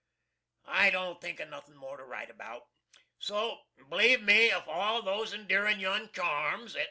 I don't think of nothin' more to write about. So, "B'leeve me if all those endearing young charms," &c.